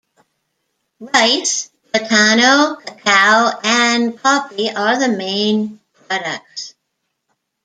Rice, platano, cacao, and coffee are the main products.